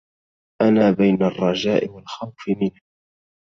أنا بين الرجاء والخوف منه